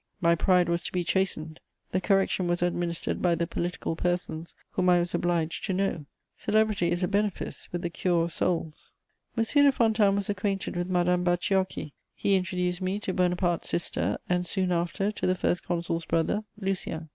My pride was to be chastened; the correction was administered by the political persons whom I was obliged to know: celebrity is a benefice with the cure of souls. M. de Fontanes was acquainted with Madame Bacciochi; he introduced me to Bonaparte's sister, and soon after to the First Consul's brother Lucien.